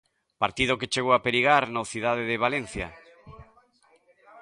Partido que chegou a perigar no Cidade de Valencia.